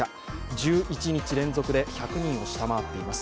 １１日連続で１００人を下回っています。